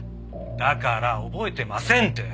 だから覚えてませんって。